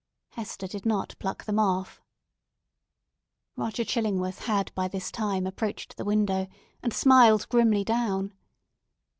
Hester did not pluck them off. Roger Chillingworth had by this time approached the window and smiled grimly down.